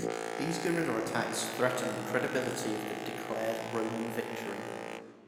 These guerrilla attacks threaten the credibility of the declared Roman victory.